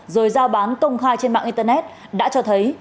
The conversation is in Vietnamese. rồi giao bán công khai trên mạng internet đã cho thấy